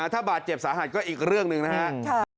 ถ้าบาดเจ็บสาหัสก็อีกเรื่องหนึ่งนะครับ